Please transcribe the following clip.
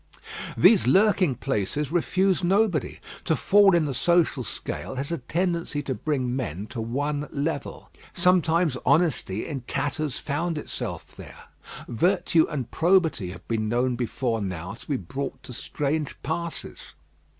These lurking places refuse nobody. To fall in the social scale has a tendency to bring men to one level. Sometimes honesty in tatters found itself there. Virtue and probity have been known before now to be brought to strange passes.